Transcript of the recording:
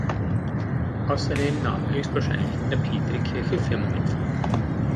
Außerdem nahm er höchstwahrscheinlich in der Petrikirche Firmungen vor.